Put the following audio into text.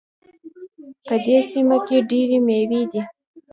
په دې سیمه کې ډېري میوې دي